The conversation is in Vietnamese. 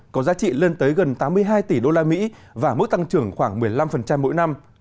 có giá trị lên tới gần tám mươi hai tỷ usd và mức tăng trưởng khoảng một mươi năm mỗi năm